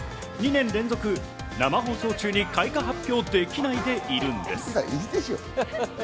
２年連続、生放送中に開花発表できないでいるんです。